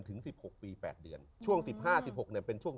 ถูกหวังช่วงตะวัน